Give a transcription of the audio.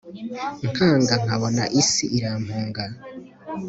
nkanga nkabona isi iramhunga